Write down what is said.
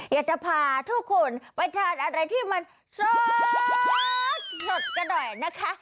อยากจะพาทุกคนไปทานอะไรที่มันสดสดกันหน่อยนะคะ